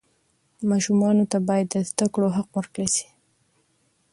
ماشومانو ته باید د زده کړې حق ورکړل سي.